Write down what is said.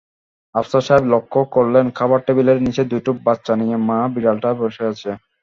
আফসার সাহেব লক্ষ করলেন-খাবার টেবিলের নিচে দুটো বাচ্চানিয়ে মা-বিড়ালটা বসে আছে।